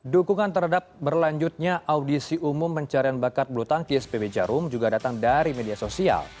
dukungan terhadap berlanjutnya audisi umum pencarian bakat bulu tangkis pb jarum juga datang dari media sosial